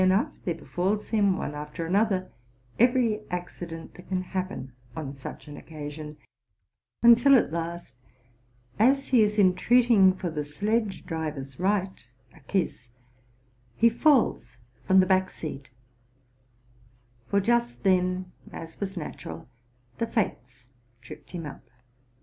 enough, there befalls him, one after another, every accident that can happen on such an oceasion, until at last, as he is entreating for the sledge driver's right (a kiss), he falls from the back seat ; for just then, as was natural, the Fates tripped him up.